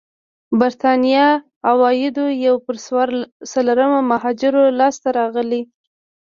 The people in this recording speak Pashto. برېتانيا عوايدو یو پر څلورمه مهاجرو لاسته راغلي.